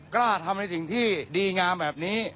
กล้าทำในสิ่งที่ดีงามแบบนี้